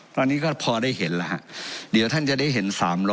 ตอนนี้ก็พอได้เห็นแล้วฮะเดี๋ยวท่านจะได้เห็น๓๐๐